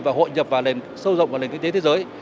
và hội nhập và sâu rộng vào nền kinh tế thế giới